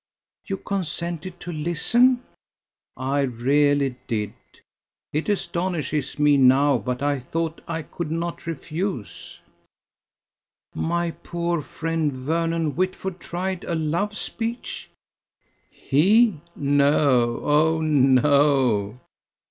"You consented to listen?" "I really did. It astonishes me now, but I thought I could not refuse." "My poor friend Vernon Whitford tried a love speech?" "He? no: Oh! no."